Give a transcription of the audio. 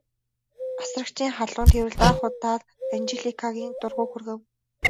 Асрагчийн халуун тэврэлт анх удаа Анжеликагийн дургүйг хүргэв.